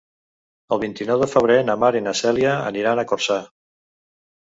El vint-i-nou de febrer na Mar i na Cèlia aniran a Corçà.